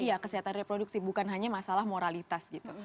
iya kesehatan reproduksi bukan hanya masalah moralitas gitu